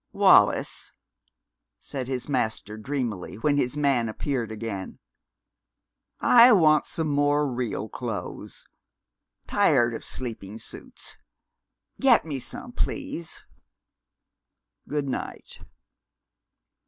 "Wallis," said his master dreamily when his man appeared again, "I want some more real clothes. Tired of sleeping suits. Get me some, please. Good night."